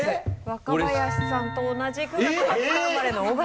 若林さんと同じ９月２０日生まれの０型。